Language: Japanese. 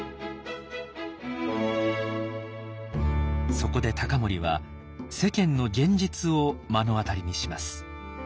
そこで隆盛は世間の現実を目の当たりにします。